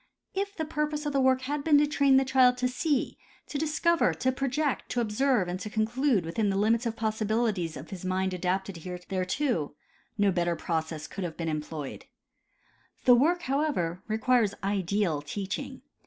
If the purpose of the work had been to train the child to see, to discover, to project, to observe and to conclude within the limits of the possibilities of his mind adapted thereto, no better process could have been employed. The work, however, requires ideal teaching.